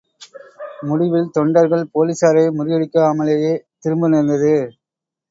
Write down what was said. முடிவில் தொண்டர்கள் போலிஸாரை முடியடிக்காமலே திரும்ப நேர்ந்தது.